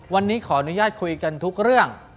วันนี้ขออนุญาตคุยกันทุกเรื่อง